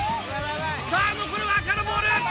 さぁ残るは赤のボール！